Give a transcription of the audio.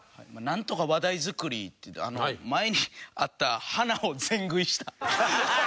なんとか話題作りっていってあの前にあった花を全食いした。